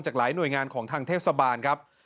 หลายหน่วยงานของทางเทศบาลครับ